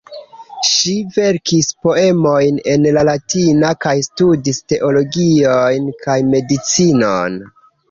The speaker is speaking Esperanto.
Ŝi verkis poemojn en la latina kaj studis teologion kaj medicinon.